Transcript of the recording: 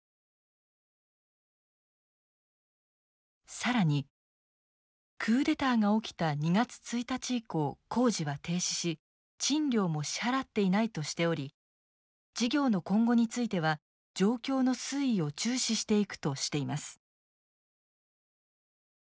更に「クーデターが起きた２月１日以降工事は停止し賃料も支払っていない」としており「事業の今後については状況の推移を注視していく」としています。